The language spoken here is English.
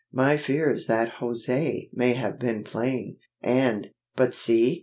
My fear is that José may have been playing, and but see!"